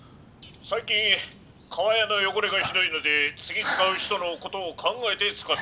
最近かわやの汚れがひどいので次使う人のことを考えて使って頂きたい。